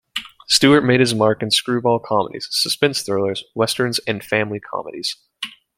Stewart made his mark in screwball comedies, suspense thrillers, westerns and family comedies.